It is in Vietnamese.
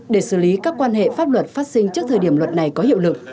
để xử lý các quan hệ pháp luật phát sinh trước thời điểm luật này có hiệu lực